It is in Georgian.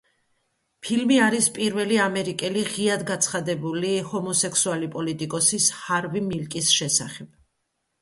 ფილმი არის პირველი ამერიკელი ღიად გაცხადებული ჰომოსექსუალი პოლიტიკოსის, ჰარვი მილკის შესახებ.